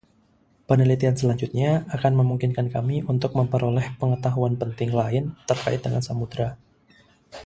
Penelitian selanjutnya akan memungkinkan kami untuk memperoleh pengetahuan penting lain terkait dengan samudra.